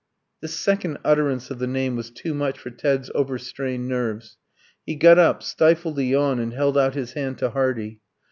This second utterance of the name was too much for Ted's overstrained nerves. He got up, stifled a yawn, and held out his hand to Hardy.